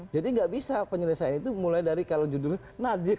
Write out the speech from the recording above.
jadi gak bisa penyelesaian itu mulai dari kalau judulnya nadir